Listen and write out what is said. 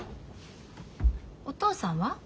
お父さんは？